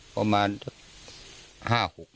ต่ำก็ประมาณ๕๖เมตร